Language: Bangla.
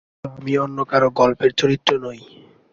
কিন্তু আমি অন্যকারো গল্পের চরিত্র নই।